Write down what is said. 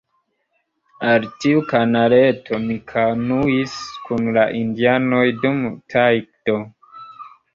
Al tiu kanaleto mi kanuis kun la indianoj dum tajdo.